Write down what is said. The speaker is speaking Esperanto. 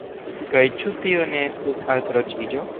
Kaj ĉu tio ne estus alkroĉiĝo?